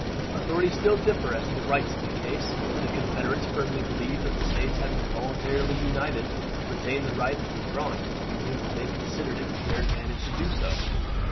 Authorities still differ as to the rights of the case. The Confederates firmly believed that the States having voluntarily united, retained the right of withdrawing from the Union when they considered it for their advantage to do so.